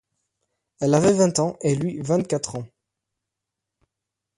Elle avait vingt ans, et lui vingt-quatre ans.